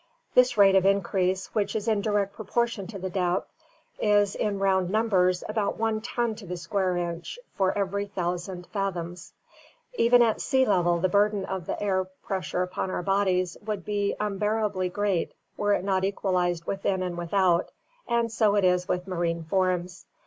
This rate of increase, which is in direct proportion to the depth, is, in round numbers, about one ton to the square inch for every thousand fathoms. Even at sea level the burden of the air pressure upon our bodies would be unbearably great were it not equalized within and without, and so it is with marine forms.